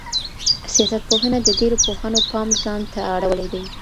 سياست پوهنه د ډېرو پوهانو پام ځان ته اړولی دی.